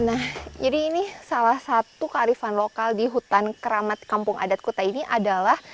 nah jadi ini salah satu kearifan lokal di hutan keramat kampung adat kuta ini adalah